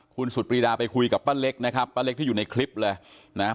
คุณสุดปรีดาไปคุยกับป้าเล็กนะครับป้าเล็กที่อยู่ในคลิปเลยนะฮะ